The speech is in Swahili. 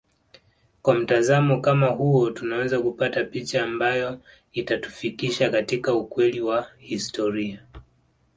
Kwa mtazamo kama huo tunaweza kupata picha ambayo itatufikisha katika ukweli wa historia